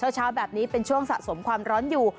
เช้าแบบนี้เป็นช่วงสะสมความร้อนอยู่